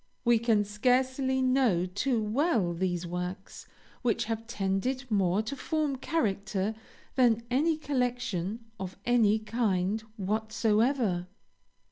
We can scarcely know too well those works which have tended more to form character than any collection of any kind whatsoever.